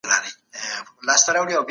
کومي خوږې خبري ذهن ته زیاته خوښي بخښي؟